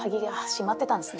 閉まってたんですね。